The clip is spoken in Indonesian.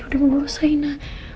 udah membawa saya ina